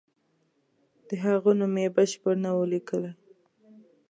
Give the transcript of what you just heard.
د هغه نوم یې بشپړ نه وو لیکلی.